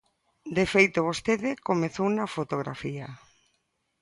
De feito, vostede comezou na fotografía.